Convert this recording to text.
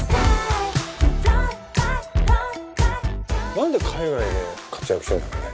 何で海外で活躍してんだろうね。